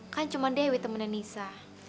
kan cuma dewi temennya nisa